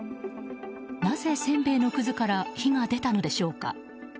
なぜ、せんべいのくずから火が出たのでしょうか。